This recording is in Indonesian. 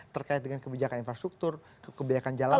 berkait kait dengan kebijakan infrastruktur kebijakan jalan